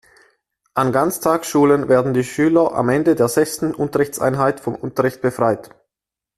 An Ganztagsschulen werden die Schüler am Ende der sechsten Unterrichtseinheit vom Unterricht befreit.